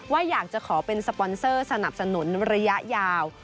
ว่าอยากจะขอเป็นสปอนเซอร์สนับสนุนระยะยาว